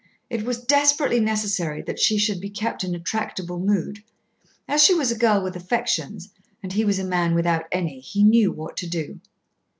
It was desperately necessary that she should be kept in a tractable mood. As she was a girl with affections, and he was a man without any, he knew what to do.